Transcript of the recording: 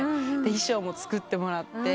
衣装も作ってもらって。